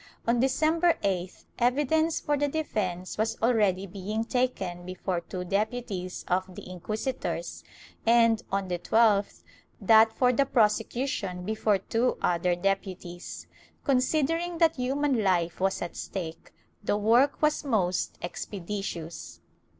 On December 8th evidence for the defence was already being taken before two deputies of the inquisitors and, on the 12th, that for the prosecution before two other deputies. Considering that human life was at stake, the work was most expeditious.